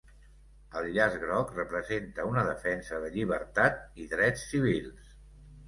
El llaç groc representa una defensa de llibertat i drets civils.